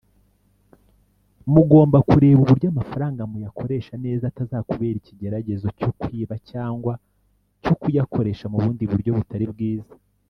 Mugomba kureba uburyo (amafaranga) muyakoresha neza atazakubera icyigeregezo cyo kwiba cyangwa cyo kuyakoresha mu bundi buryo butari bwiza